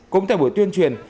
cũng tại buổi tuyên truyền